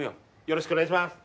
よろしくお願いします！